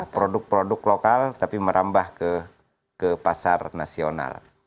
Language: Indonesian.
produk produk lokal tapi merambah ke pasar nasional